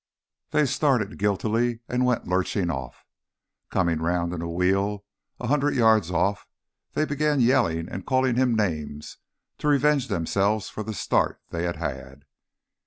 They started guiltily and went lurching off. Coming round in a wheel, a hundred yards off, they began yelling and calling him names to revenge themselves for the start they had had.